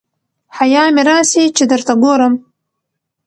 حیا مي راسي چي درته ګورم